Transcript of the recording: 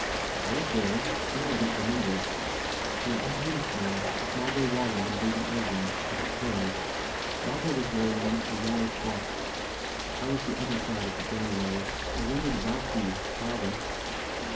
"I was there. Funny I don t remember " "You were in uniform with Margot Walling and Lady Ilden. At a play. Margot was wear ing one of her yellow frocks. I was the other side of the gangway. I wondered about you, rather.